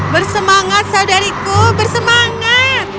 bersemangat saudariku bersemangat